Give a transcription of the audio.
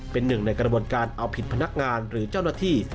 เป็นหนึ่งในกระบวนการเอาผิดพนักงานหรือเจ้าหน้าที่